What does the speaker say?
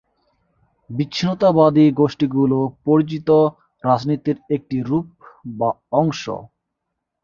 বিচ্ছিন্নতাবাদী গোষ্ঠীগুলো পরিচিত রাজনীতির একটি রূপ বা অংশ।